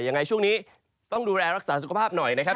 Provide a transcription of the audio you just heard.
ยังไงช่วงนี้ต้องดูแลรักษาสุขภาพหน่อยนะครับ